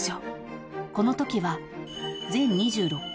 ［このときは全２６回］